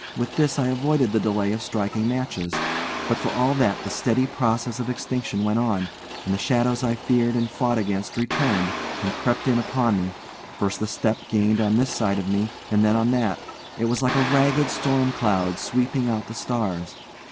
With this I avoided the delay of striking matches; but for all that the steady process of extinction went on, and the shadows I feared and fought against returned, and crept in upon me, first a step gained on this side of me and then on that. It was like a ragged storm cloud sweeping out the stars.